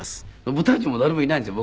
部隊長も誰もいないんですよ